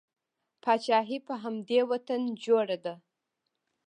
پاچاهي په همدې وطن جوړه ده.